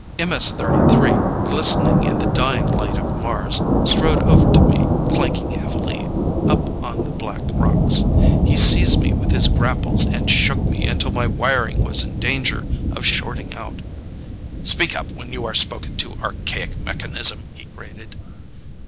MS 33, glistening in the dying light of Mars, strode over to me, clanking heavily up on the black rocks. He seized me with his grapples and shook me until my wiring was in danger of shorting out. "Speak up when you are spoken to, archaic mechanism!" he grated.